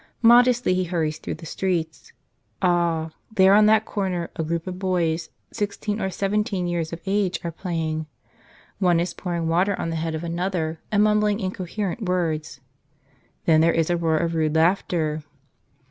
Modestly he hurries through the streets. Ah! there on that corner a group of boys sixteen or seventeen years of age are playing. One is pouring water on the head of another and mumbling incoherent words. Then there is a roar of rude laughter.